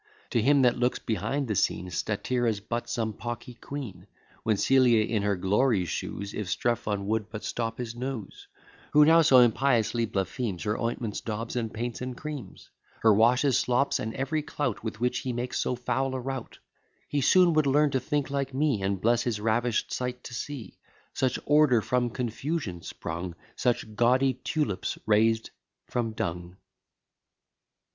To him that looks behind the scene, Statira's but some pocky quean. When Celia in her glory shews, If Strephon would but stop his nose, (Who now so impiously blasphemes Her ointments, daubs, and paints, and creams, Her washes, slops, and every clout, With which he makes so foul a rout;) He soon would learn to think like me, And bless his ravish'd sight to see Such order from confusion sprung, Such gaudy tulips raised from dung.